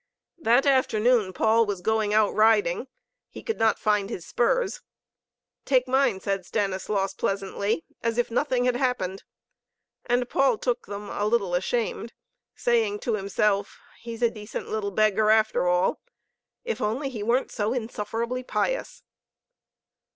That afternoon Paul was going out riding. He could not find his spurs. "Take mine," said Stanislaus, pleasantly, as if nothing had happened. And Paul took them, a little ashamed, saying to himself: "He's a decent little beggar, after all if only he weren't so insufferably pious!"